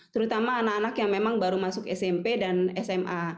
terutama anak anak yang memang baru masuk smp dan sma